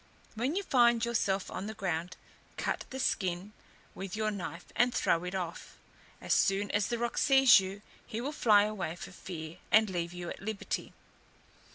When you find yourself on the ground, cut the skin with your knife, and throw it off. As soon as the roc sees you, he will fly away for fear, and leave you at liberty.